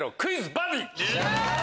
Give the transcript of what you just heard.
バディ。